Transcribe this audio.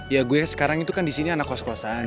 ya gue sekarang itu kan di sini anak kos kosan